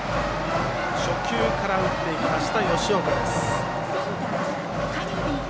初球から打っていきました吉岡です。